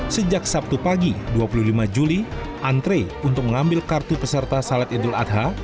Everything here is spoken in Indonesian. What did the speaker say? sejak sabtu pagi dua puluh lima juli antre untuk mengambil kartu peserta salat idul adha